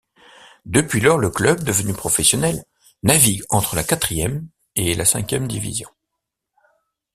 Depuis lors, le club, devenu professionnel, navigue entre la quatrième et la cinquième division.